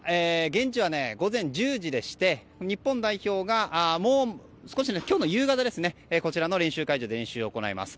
現地は午前１０時でして日本代表が今日の夕方こちらの練習会場で練習を行います。